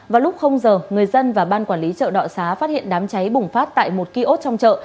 vào lúc giờ người dân và ban quản lý chợ đọ xá phát hiện đám cháy bùng phát tại một kiosk trong chợ